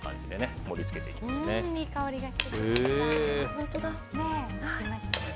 いい香りがしてきました。